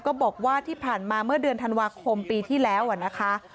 ก็บอกว่าที่ผ่านมาเมื่อเดือนธันวาคมปีที่แล้วนะคะ